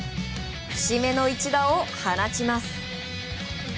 節目の一打を放ちます。